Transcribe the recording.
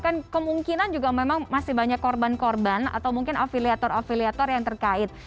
kan kemungkinan juga memang masih banyak korban korban atau mungkin afiliator afiliator yang terkait